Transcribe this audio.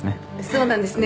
「そうなんですね」